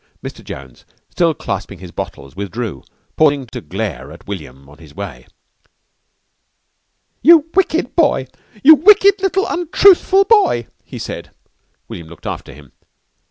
"] Mr. Jones, still clasping his bottles, withdrew, pausing to glare at William on his way. "You wicked boy! You wicked little, untruthful boy," he said. William looked after him.